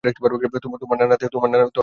তোর না নাতি আছে?